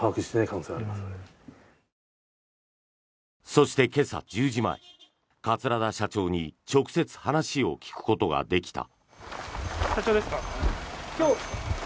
そして、今朝１０時前桂田社長に直接話を聞くことができた。